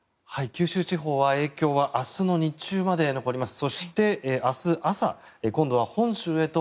九州地方は影響は明日の日中まで残ります。